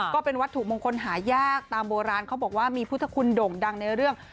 ก็เป็นวัตถุมงคลหายากตามโบราณเขาบอกว่ามีพุทธคุณโด่งดังในเรื่อง